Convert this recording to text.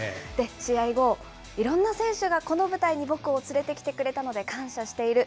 試合後、いろんな選手がこの舞台に僕を連れてきてくれたので感謝している。